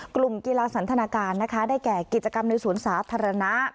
กลุ่มกีฬาสันทนาการนะคะได้แก่กิจกรรมในสวนสาธารณะ